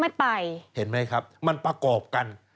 ไม่ไปเห็นไหมครับ